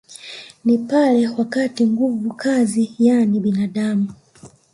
Ni pale wakati nguvu kazi yani binadamu